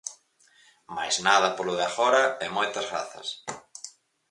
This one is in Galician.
Máis nada polo de agora e moita grazas.